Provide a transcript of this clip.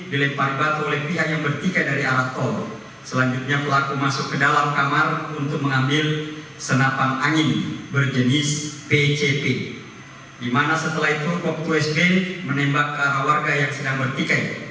di mana setelah itu pop dua sb menembak ke arah warga yang sedang bertikai